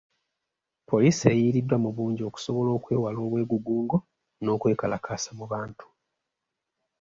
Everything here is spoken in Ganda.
Poliisi eyiriddwa mu bungi okusobola okwewala obwegugungo n'okwekalakaasa mu bantu.